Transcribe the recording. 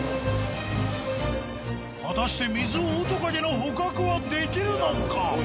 果たしてミズオオトカゲの捕獲はできるのか？